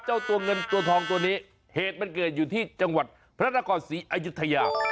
เจ้าตัวเงินตัวทองตัวนี้เหตุมันเกิดอยู่ที่จังหวัดพระนครศรีอายุทยา